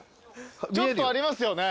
ちょっとありますよね。